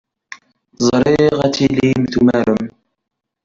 Ẓriɣ ad tilim tumarem.